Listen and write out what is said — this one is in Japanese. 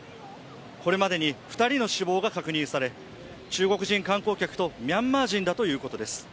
これまでに２人の死亡が確認され、中国人観光客とミャンマー人だということです